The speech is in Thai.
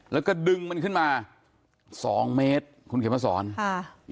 แล้วก็ดึงมันขึ้นมาสองเมตรคุณเขียนมาสอนค่ะ